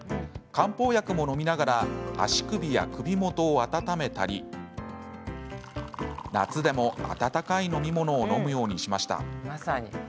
漢方薬も、のみながら足首や首元を温めたり夏でも温かい飲み物を飲むようにしました。